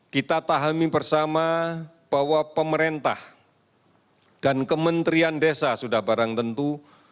kita pahami bersama bahwa pemerintah dan kementerian desa sudah barang tentu